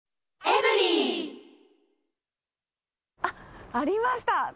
あっ、ありました。